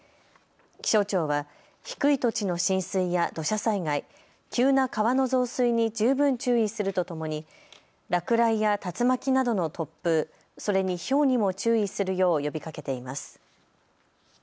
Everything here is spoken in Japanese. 気象庁は低い土地の浸水や土砂災害、急な川の増水に十分注意するとともに落雷や竜巻などの突風、それにひょうにも注意するよう呼びかけています。